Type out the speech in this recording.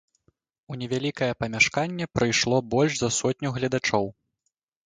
У невялікае памяшканне прыйшло больш за сотню гледачоў.